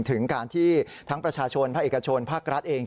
ถึงการที่ทั้งประชาชนภาคเอกชนภาครัฐเอง